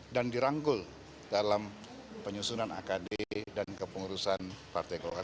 dan diranggul dalam penyusunan akd dan kepengurusan partai golkar